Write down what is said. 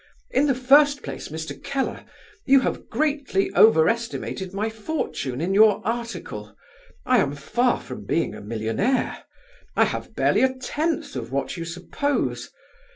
In the first place, Mr. Keller, you have greatly overestimated my fortune in your article. I am far from being a millionaire. I have barely a tenth of what you suppose.